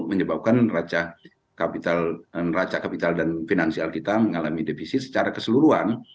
menyebabkan raca kapital dan finansial kita mengalami defisit secara keseluruhan